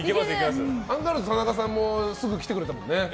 アンガールズ田中さんもすぐ来てくれたもんね。